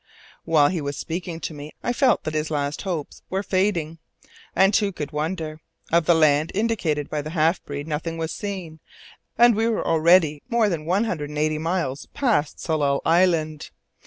While he was speaking to me I felt that his last hopes were fading. And who could wonder? Of the land indicated by the half breed nothing was seen, and we were already more than one hundred and eighty miles from Tsalal Island.